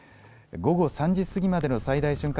午後３時過ぎまでの最大瞬間